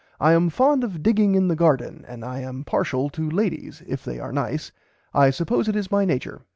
I am fond of digging in the garden and I am parshal to ladies if they are nice I suppose it is my nature.